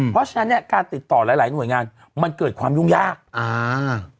เพราะฉะนั้นเนี้ยการติดต่อหลายหลายหน่วยงานมันเกิดความยุ่งยากอ่า